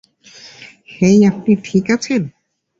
হেই, আপনি ঠিক আছেন?